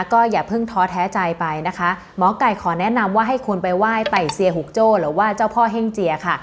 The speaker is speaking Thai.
ก็อย่าเพิ่งท้อแท้ใจไปนะคะหมอไก่ขอแนะนำว่าให้คนไปไหว้ไต่เซียหุกโจ้หรือว่าเจ้าพ่อเฮ่งเจียค่ะ